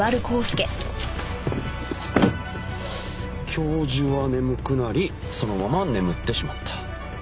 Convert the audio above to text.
教授は眠くなりそのまま眠ってしまった。